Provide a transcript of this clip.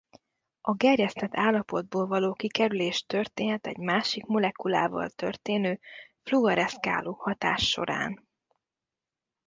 A gerjesztett állapotból való kikerülés történhet egy másik molekulával történő fluoreszkáló hatás során.